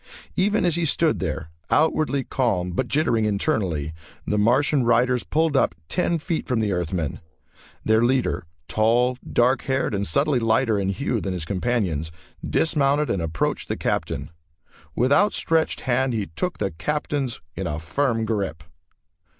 Even as he stood there, outwardly calm but jittering internally, the Martian riders pulled up ten feet from the Earthmen. Their leader, tall, dark haired, and subtly lighter in hue than his companions, dismounted and approached the Captain. With outstretched hand he took the Captain's in a firm grip.